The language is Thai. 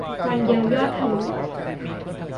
วันเดียวยอดทะลุ